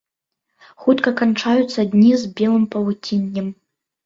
Хутка канчаюцца дні з белым павуціннем.